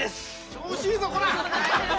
調子いいぞこら！